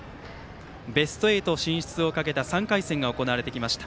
ベスト８進出をかけた３回戦が行われてきました。